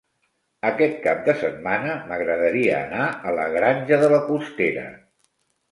Aquest cap de setmana m'agradaria anar a la Granja de la Costera.